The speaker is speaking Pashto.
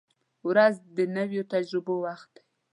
• ورځ د نویو تجربو وخت دی.